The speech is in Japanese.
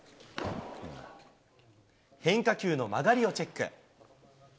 変化球の曲がりをチェック。